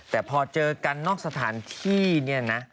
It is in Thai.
แต่พอเจอกันนอกสถานที่เนี่ยนะ